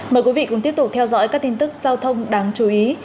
mời quý vị cùng tiếp tục theo dõi các tin tức giao thông đáng chú ý